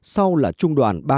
sau là chủ đề của đồng chí